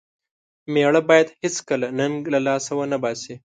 مېړه بايد هيڅکله ننګ له لاسه و نه باسي.